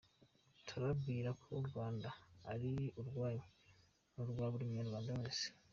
Turababwira ko u Rwanda ari urwanyu, ni urwa buri munyarwanda wese.”